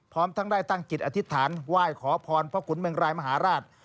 พร้อมทั้งได้ตั้งจิตอธิษฐานไหว้ขอพรพระขุนเมืองรายมหาราช